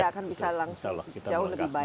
saya akan bisa langsung jauh lebih baik ya